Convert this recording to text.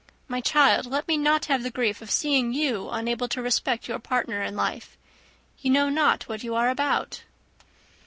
My child, let me not have the grief of seeing you unable to respect your partner in life. You know not what you are about."